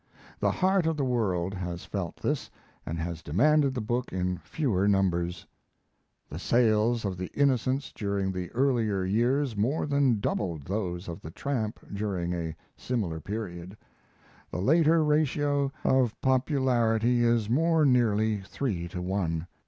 The heart of the world has felt this, and has demanded the book in fewer numbers. [The sales of the Innocents during the earlier years more than doubled those of the Tramp during a similar period. The later ratio of popularity is more nearly three to one.